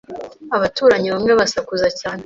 Abaturanyi bamwe basakuza cyane.